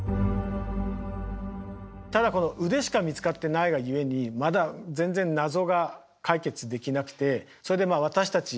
ただこの腕しか見つかってないがゆえにまだ全然謎が解決できなくてそれでまあ私たち